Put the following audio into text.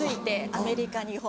アメリカ日本